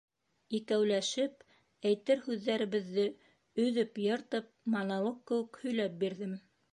Икәүләшеп әйтер һүҙҙәребеҙҙе өҙөп-йыртып монолог кеүек һөйләп бирҙем.